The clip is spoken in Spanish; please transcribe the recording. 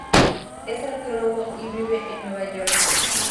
Es arqueólogo y vive en Nueva York.